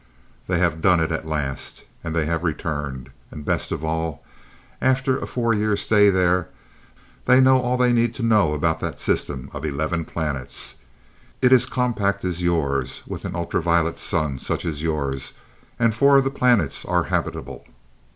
"They have done it at last. And they have returned. And best of all, after a four year stay there, they know all they need know about that system of eleven planets. It is compact as yours, with an ultra light sun such as yours, and four of the planets are habitable.